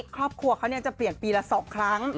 ครอบครัวเขาจะเปลี่ยนปีละ๒ครั้ง